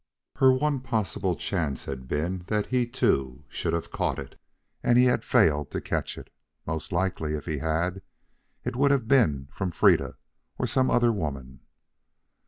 Her one possible chance had been that he, too, should have caught it. And he had failed to catch it. Most likely, if he had, it would have been from Freda or some other woman.